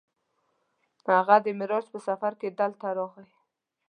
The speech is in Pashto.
هغه د معراج په سفر کې دلته راغی.